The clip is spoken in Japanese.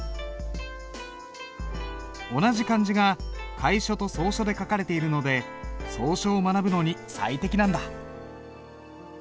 同じ漢字が楷書と草書で書かれているので草書を学ぶのに最適なんだ。